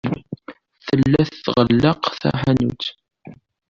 Tella tɣelleq taḥanut.